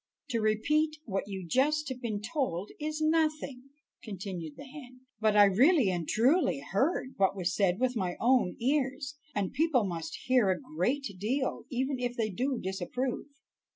"To repeat just what you have been told is nothing," continued the hen, "but I really and truly heard what was said with my own ears, and people must hear a great deal, even if they do disapprove.